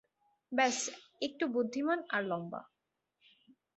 ব্যস একটু বুদ্ধিমান আর লম্বা।